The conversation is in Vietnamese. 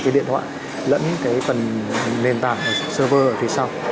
cái điện thoại lẫn cái phần nền tảng server ở phía sau